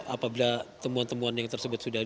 apabila temuan temuan yang tersebut sudah